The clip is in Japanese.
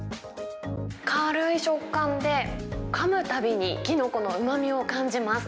軽い食感で、かむたびにきのこのうまみを感じます。